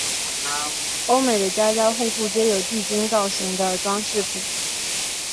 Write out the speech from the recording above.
欧美的家家户户皆有地精造型的装饰品。